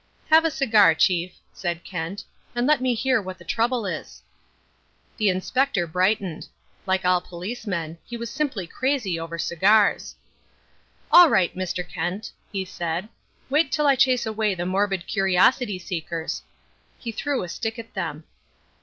"Have a cigar, Chief," said Kent, "and let me hear what the trouble is." The Inspector brightened. Like all policemen, he was simply crazy over cigars. "All right, Mr. Kent," he said, "wait till I chase away the morbid curiosity seekers." He threw a stick at them.